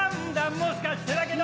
もしかしてだけど